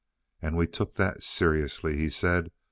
"And we took that seriously," he said.